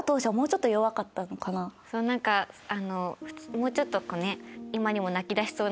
何かもうちょっと。